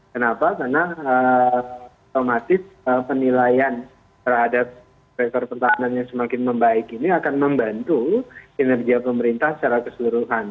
kenapa karena otomatis penilaian terhadap sektor pertahanan yang semakin membaik ini akan membantu kinerja pemerintah secara keseluruhan